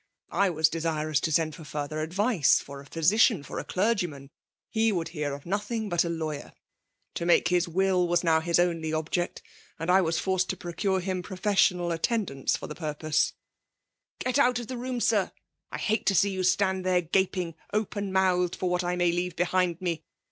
I wae dcBirona to^ demd for itnrtiher adTice '^ for a physician^ for a clergyman ; he wquld hear of nothing hut Iei Idwyer* To make his will was now bis only ehject ; and I was forced to proeure him pro* fessioina} aiiendance for the purpose, f Get out 6f the room. Sir !. I hate to see you stand there gaping, open mouthed» for what I may leave behind me